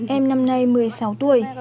em năm nay một mươi sáu tuổi